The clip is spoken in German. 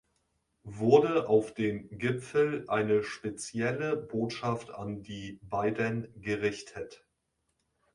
Wurde auf dem Gipfel eine spezielle Botschaft an die beiden gerichtet?